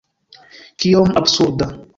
Kiom absurda!